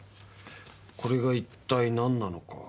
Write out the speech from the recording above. これが一体何なのか。